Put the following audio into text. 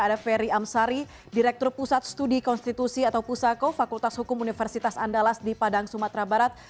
ada ferry amsari direktur pusat studi konstitusi atau pusako fakultas hukum universitas andalas di padang sumatera barat